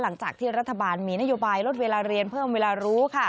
หลังจากที่รัฐบาลมีนโยบายลดเวลาเรียนเพิ่มเวลารู้ค่ะ